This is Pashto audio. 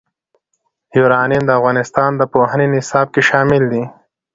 یورانیم د افغانستان د پوهنې نصاب کې شامل دي.